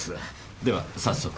では早速。